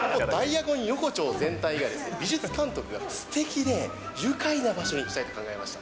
実はですね、ダイアゴン横丁全体が、技術監督がすてきで、愉快な場所にしたいと考えました。